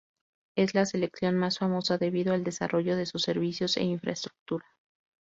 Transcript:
Es la sección más famosa debido al desarrollo de sus servicios e infraestructura.